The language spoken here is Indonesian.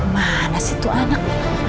mana sih itu anak